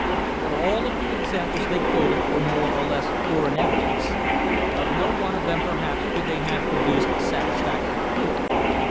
* But all of the examples they quoted were more or less poor in evidence. Of no one of them perhaps could they have produced satisfactory proof.